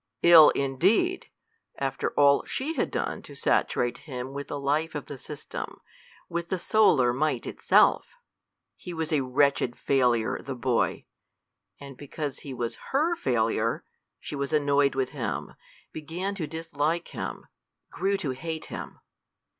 Ill, indeed! after all she had done to saturate him with the life of the system, with the solar might itself! He was a wretched failure, the boy! And because he was her failure, she was annoyed with him, began to dislike him, grew to hate him.